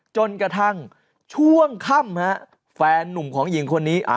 จนกระทั่งช่วงค่ำแฟนนุ่มของหญิงคนนี้